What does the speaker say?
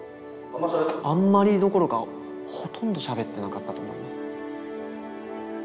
あんまりどころかほとんどしゃべってなかったと思います。